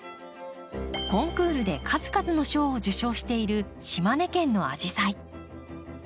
コンクールで数々の賞を受賞している島根県のアジサイ。